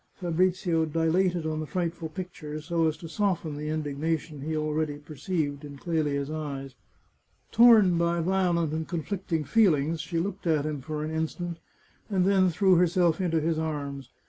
Fabrizio dilated on the frightful picture, so as to soften the indignation he already perceived in Clelia's eyes. Torn by violent and conflicting feelings, she looked at him for an instant, and then threw herself into his arms.